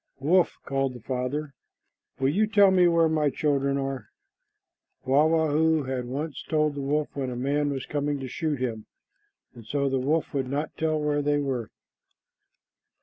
"Wolf," called the father, "will you tell me where my children are?" Wah wah hoo had once told the wolf when a man was coming to shoot him, and so the wolf would not tell where they were.